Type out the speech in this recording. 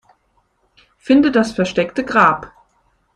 Finde das versteckte Grab.